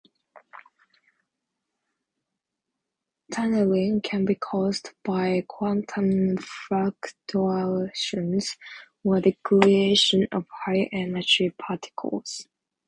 Tunnelling can be caused by quantum fluctuations or the creation of high-energy particles.